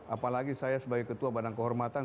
apalagi saya sebagai ketua badan kehormatan